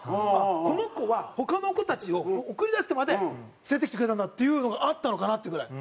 この子は他の子たちを送り出してまで連れてきてくれたんだっていうのがあったのかなってぐらい。